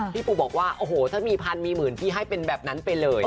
พี่ปูบอกว่าโอ้โหถ้ามีพันมีหมื่นพี่ให้เป็นแบบนั้นไปเลย